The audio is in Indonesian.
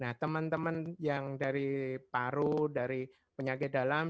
nah teman teman yang dari paru dari penyakit dalam